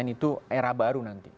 itu era baru nanti